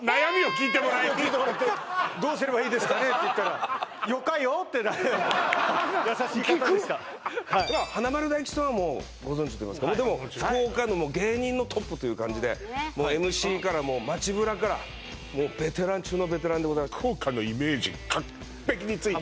ええ聞いてもらって「どうすればいいですかね」って言ったら「よかよ」って優しい方でしたアカンギクッ華丸・大吉さんはもうご存じといいますか福岡のもう芸人のトップという感じでもうＭＣからもう街ブラからもうベテラン中のベテランでございます福岡のイメージ完璧についたよね